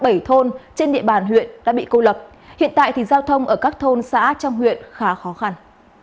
bảy thôn trên địa bàn huyện đã bị cô lập hiện tại thì giao thông ở các thôn xã trong huyện khá khó khăn